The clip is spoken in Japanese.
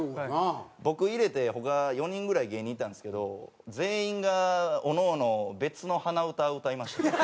僕入れて他４人ぐらい芸人いたんですけど全員がおのおの別の鼻歌歌いまして。